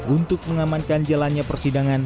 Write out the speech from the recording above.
untuk mengamankan jalannya persidangan